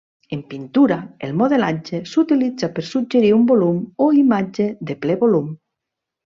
En pintura, el modelatge s'utilitza per suggerir un volum o imatge de ple volum.